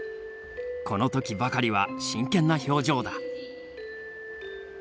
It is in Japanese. この時ばかりは真剣な表情だ。